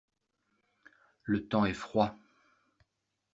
Le temps est froid.